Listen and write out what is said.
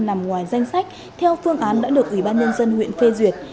nằm ngoài danh sách theo phương án đã được ủy ban nhân dân huyện phê duyệt